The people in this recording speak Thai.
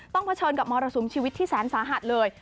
เผชิญกับมรสุมชีวิตที่แสนสาหัสเลย